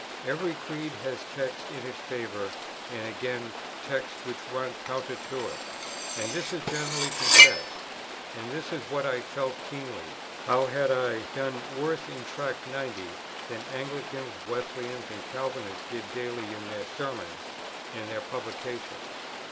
Every creed has texts in its favour, and again texts which run counter to it: and this is generally confessed. And this is what I felt keenly: how had I done worse in Tract 90 than Anglicans, Wesleyans, and Calvinists did daily in their Sermons and their publications?